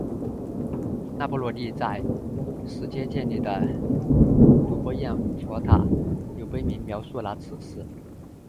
那罗波帝在实皆建立的睹波焰佛塔有碑铭描述了此事。